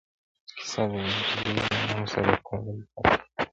کيسه د يوې نجلۍ له نوم سره تړلې پاتې کيږي,